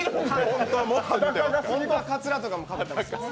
本当は、かつらとかもかぶるんですけど。